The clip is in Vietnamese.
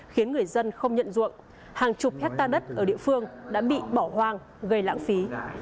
khiến người dân không nhận ruộng hàng chục hectare đất ở địa phương đã bị bỏ hoang gây lãng phí